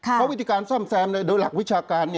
เพราะวิธีการซ่อมแซมโดยหลักวิชาการ